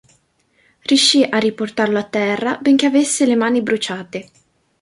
Riuscì a riportarlo a terra benché avesse le mani bruciate.